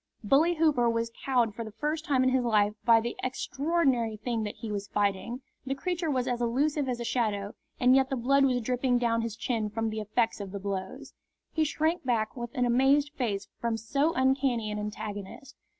Bully Hooper was cowed for the first time in his life by the extraordinary thing that he was fighting. The creature was as elusive as a shadow, and yet the blood was dripping down his chin from the effects of the blows. He shrank back with an amazed face from so uncanny an antagonist.